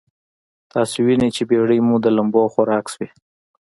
تاسې وينئ چې بېړۍ مو د لمبو خوراک شوې.